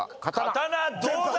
刀どうだ？